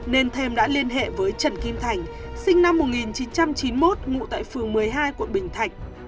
nên thêm đã liên hệ với trần kim thành sinh năm một nghìn chín trăm chín mươi một ngụ tại phường một mươi hai quận bình thạnh